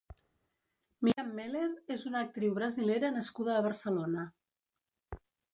Miriam Mehler és una actriu brasilera nascuda a Barcelona.